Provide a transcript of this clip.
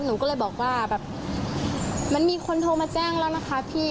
หนูก็เลยบอกว่าแบบมันมีคนโทรมาแจ้งแล้วนะคะพี่